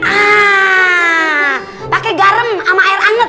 ah pakai garam sama air anget